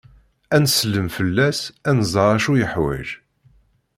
Ad nsellem fell-as, ad nẓer acu yuḥwaǧ.